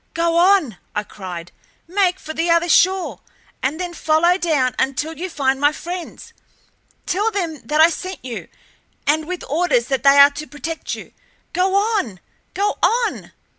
"Go on!" I cried. "Make for the other shore, and then follow down until you find my friends. Tell them that I sent you, and with orders that they are to protect you. Go on! Go on!"